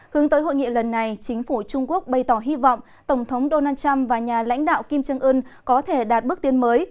hướng tới hội nghị lần này chính phủ trung quốc bày tỏ hy vọng tổng thống donald trump và nhà lãnh đạo kim trương ưn có thể đạt bước tiến mới